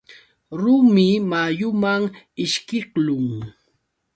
Rumi mayuman ishkiqlun.